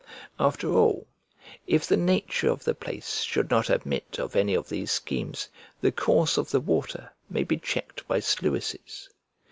After all, if the nature of the place should not admit of any of these schemes, the course of the water may be checked by sluices.